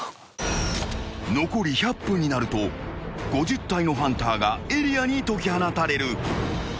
［残り１００分になると５０体のハンターがエリアに解き放たれる］